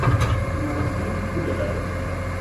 بیمارستانی که خوب اداره میشود